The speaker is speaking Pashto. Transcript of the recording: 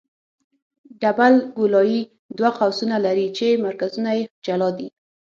ډبل ګولایي دوه قوسونه لري چې مرکزونه یې جلا دي